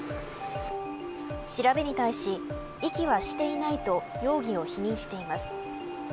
調べに対し遺棄はしていないと容疑を否認しています。